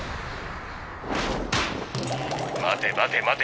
待て待て待て。